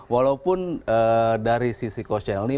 walaupun dari sisi koncielny